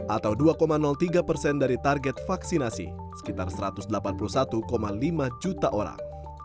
atau dua tiga persen dari target vaksinasi sekitar satu ratus delapan puluh satu lima juta orang